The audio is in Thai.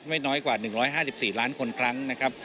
ไม่น้อยกว่า๑๕๔ล้านคนครั้งนะครับ